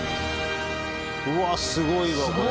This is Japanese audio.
うわあすごいわこれ。